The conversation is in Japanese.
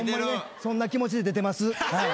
そんな気持ちで出てます。